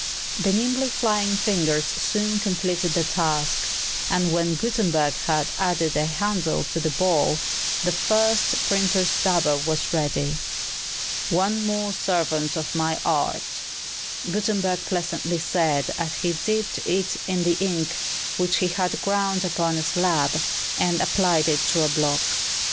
The nimbly flying fingers soon completed the task; and when Gutenberg had added a handle to the ball, the first printer's dabber was ready. "One more servant of my art," Gutenberg pleasantly said as he dipped it in the ink which he had ground upon a slab, and applied it to a block.